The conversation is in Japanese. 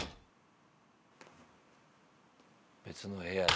別の部屋に。